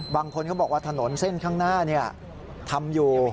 บางคนเขาบอกว่าถนนเส้นข้างหน้าทำอยู่